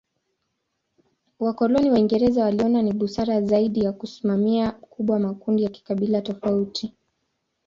Wakoloni Waingereza waliona ni busara zaidi ya kusimamia kubwa makundi ya kikabila tofauti.